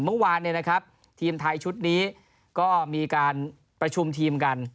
เมื่อวานทีมไทยชุดนี้ก็มีการประชุมทีมกัน